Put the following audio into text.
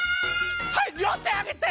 はいりょうてあげて！